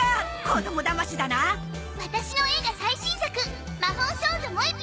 ワタシの映画最新作『ま・ほー少女もえＰ